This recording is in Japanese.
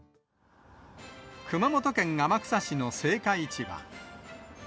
熊本県天草市の青果市場。